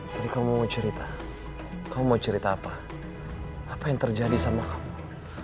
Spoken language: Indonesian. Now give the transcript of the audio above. kamu mau cerita kamu mau cerita apa apa yang terjadi sama kamu